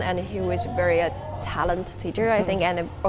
dan dia adalah guru yang sangat berbakat dan juga sangat teman juga